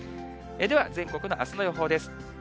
では、全国のあすの予報です。